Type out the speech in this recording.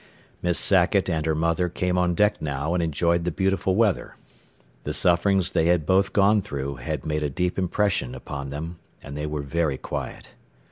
Miss Sackett and her mother came on deck now and enjoyed the beautiful weather. The sufferings they had both gone through had made a deep impression upon them, and they were very quiet.